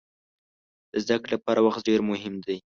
د زده کړې لپاره وخت ډېر مهم دی.